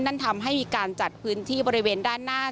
นั่นทำให้มีการจัดพื้นที่บริเวณด้านหน้า